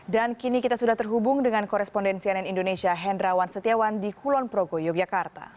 dan kini kita sudah terhubung dengan korespondensi ann indonesia hendrawan setiawan di kulon progo yogyakarta